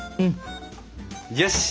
よし。